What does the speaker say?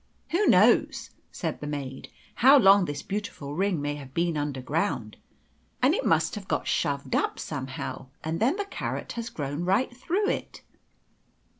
"Who knows," said the maid, "how long this beautiful ring may have been underground? And it must have got shoved up somehow, and then the carrot has grown right through it."